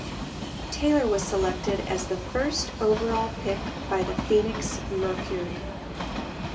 Taylor was selected as the first overall pick by the Phoenix Mercury.